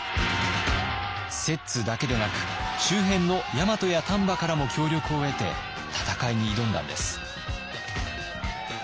摂津だけでなく周辺の大和や丹波からも協力を得て戦いに挑んだんです。